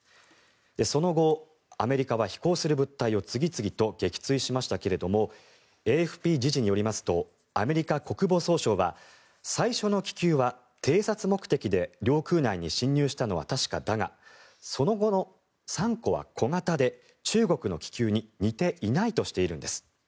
その後、アメリカは飛行する物体を次々と撃墜しましたがＡＦＰ時事によりますとアメリカ国防総省は最初の気球は偵察目的で領空内に侵入したのは確かだがその後の３個は小型で中国の気球に似ていないとしているんです。